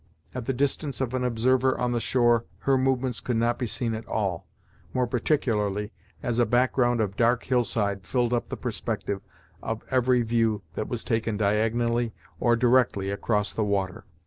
At the distance of an observer on the shore her movements could not be seen at all, more particularly as a background of dark hillside filled up the perspective of every view that was taken diagonally or directly across the water.